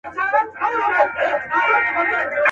لنډۍ په غزل کي، اوومه برخه .